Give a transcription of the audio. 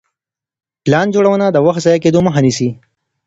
پلان جوړونه د وخت د ضايع کيدو مخه نيسي.